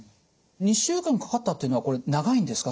２週間かかったっていうのはこれ長いんですか？